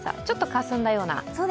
ちょっとかすんだような。